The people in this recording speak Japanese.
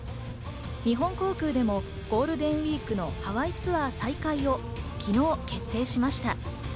日本航空でもゴールデンウイークのハワイツアー再開も昨日、決定しました。